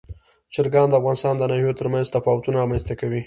چرګان د افغانستان د ناحیو ترمنځ تفاوتونه رامنځ ته کوي.